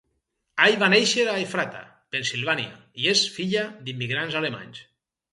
Ay va néixer a Efrata, Pennsilvània i és filla d'immigrants alemanys.